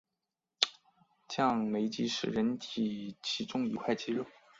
降眉肌是人体其中一块肌肉。